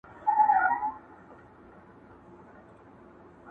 چي پر اوښ دي څه بار کړي دي څښتنه!.